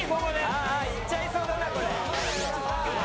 ああいっちゃいそうだなこれ。